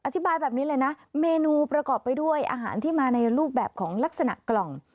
อธิบายแบบนี้เลยนะเมนูประกอบไปด้วยอาหารที่มาในรูปแบบของลักษณะกล่อง